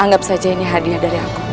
anggap saja ini hadiah dari aku